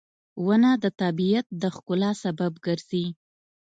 • ونه د طبیعت د ښکلا سبب ګرځي.